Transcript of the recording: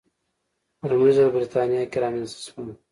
په لومړي ځل په برېټانیا کې رامنځته شول.